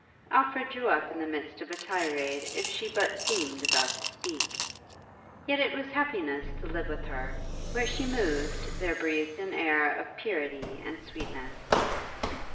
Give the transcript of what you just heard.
Alfred drew up in the midst of a tirade if she but seemed about to speak. Yet it was happiness to live with her; where she moved there breathed an air of purity and sweetness.